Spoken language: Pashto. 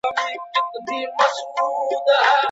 وړیا درملنه چيري کیږي؟